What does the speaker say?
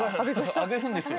あげるんですよ。